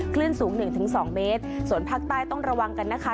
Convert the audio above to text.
คลื่นสูงหนึ่งถึงสองเมตรส่วนภาคใต้ต้องระวังกันนะคะ